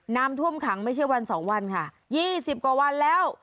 น้ำท่วมขังไม่ใช่วันสองวันค่ะ๒๐กว่าวันแล้ว